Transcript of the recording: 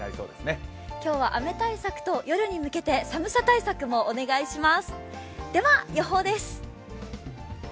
今日は雨対策と夜に向けて寒さ対策もお願いします。